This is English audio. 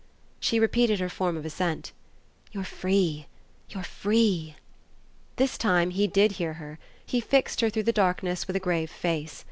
She repeated her form of assent. "You're free you're free." This time he did hear her; he fixed her through the darkness with a grave face.